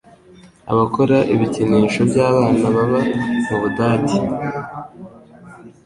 Abakora ibikinisho by’abana baba mu budage